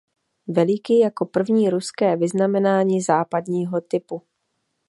Veliký jako první ruské vyznamenání západního typu.